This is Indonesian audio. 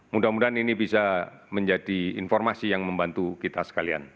mudah mudahan ini bisa menjadi informasi yang membantu kita sekalian